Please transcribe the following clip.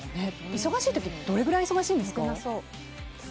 忙しい時ってどれくらい忙しいんですか？